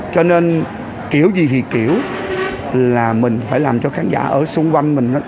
cho nên kiểu gì thì kiểu là mình phải làm cho khán giả ở xung quanh mình